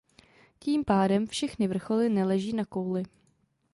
Tím pádem všechny vrcholy neleží na kouli.